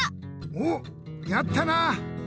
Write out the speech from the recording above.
おっやったな！